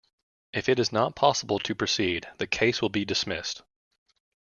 If it is not possible to proceed, the case will be dismissed.